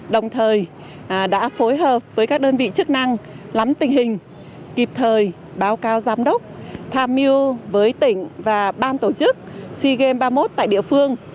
đồng thời đã phối hợp với các đơn vị chức năng lắm tình hình kịp thời báo cáo giám đốc tham mưu với tỉnh và ban tổ chức sea games ba mươi một tại địa phương